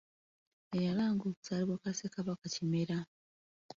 Eyalanga okuzaalibwa kwa Ssekabaka Kimera .